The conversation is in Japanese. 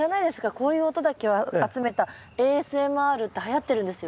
こういう音だけを集めたＡＳＭＲってはやってるんですよ。